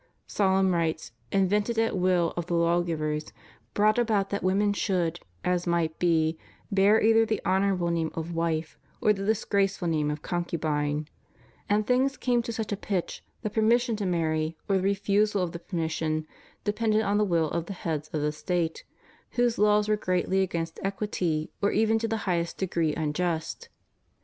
Solemn rites, invented at will of the lawgivers, brought about that women should, as might be, bear either the honorable name of wife or the disgraceful name of concubine; and things came to such a pitch that permission to marry, or the refusal of the permission, depended on the will of the heads of the State, whose laws were greatly against equity or even to the highest degree unjust.